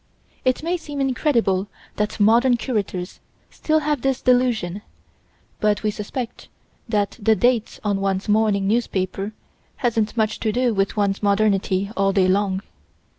It may seem incredible that modern curators still have this delusion, but we suspect that the date on one's morning newspaper hasn't much to do with one's modernity all day long.